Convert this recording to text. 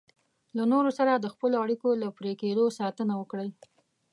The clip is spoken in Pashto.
له نورو سره د خپلو اړیکو له پرې کېدو ساتنه وکړئ.